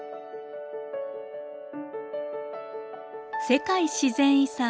世界自然遺産